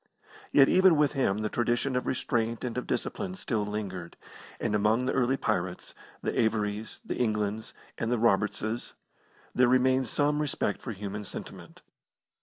Yet even with him the tradition of restraint and of discipline still lingered; and among the early pirates, the Avorys, the Englands, and the Robertses, there remained some respect for human sentiment.